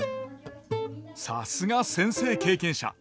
さすが先生経験者。